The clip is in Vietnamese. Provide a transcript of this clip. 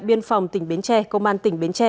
biên phòng tỉnh bến tre công an tỉnh bến tre